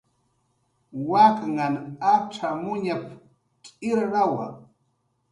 "Waknhan acxamuñp"" tz'irrawa"